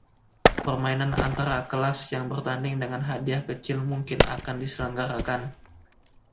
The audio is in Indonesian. Permainan antara kelas yang bertanding dengan hadiah kecil mungkin akan diselenggarakan.